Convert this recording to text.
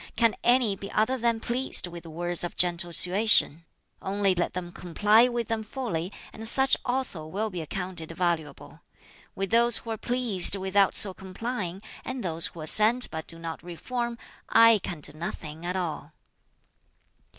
Can any be other than pleased with words of gentle suasion? Only let them comply with them fully, and such also will be accounted valuable. With those who are pleased without so complying, and those who assent but do not reform, I can do nothing at all.